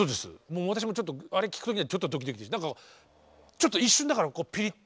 もう私もちょっとあれ聞く時にはちょっとドキドキ何かちょっと一瞬だからこうピリッとした。